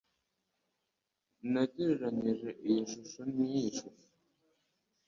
Nagereranije iyi shusho niyi shusho.